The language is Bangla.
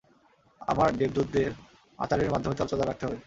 আমার দেবদূতদের আচারের মতো তরতাজা রাখতে হবে।